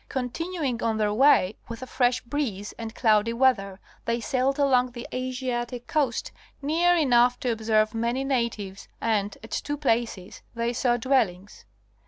Continuing on their way, with a fresh breeze and cloudy weather, they sailed along the Asiatic coast near enough to observe many natives and at two places they saw dwellings.